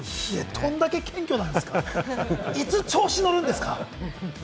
どんだけ謙虚なんですか、いつ調子に乗るんですか？